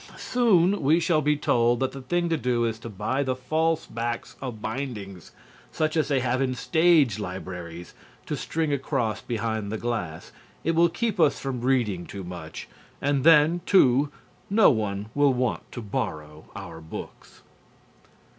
Soon we shall be told that the thing to do is to buy the false backs of bindings, such as they have in stage libraries, to string across behind the glass. It will keep us from reading too much, and then, too, no one will want to borrow our books.